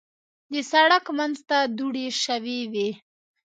د سړک منځ ته دوړې شوې وې.